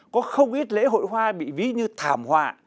có không ít lễ hội hoa bị ví như thảm họa